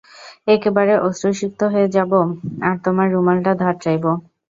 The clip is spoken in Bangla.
একেবারে অশ্রুসিক্ত হয়ে যাবো, আর তোমার রুমালটা ধার চাইবো।